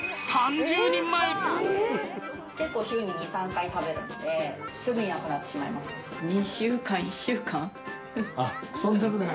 結構週に２、３回食べるんで、すぐになくなってしまいますね。